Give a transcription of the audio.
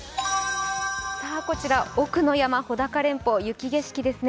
こちら、奥の山、穂高連峰雪景色ですね。